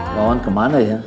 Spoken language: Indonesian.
mbak iman kemana ya